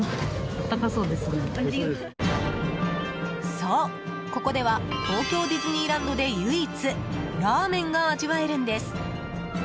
そう、ここでは東京ディズニーランドで唯一ラーメンが味わえるんです。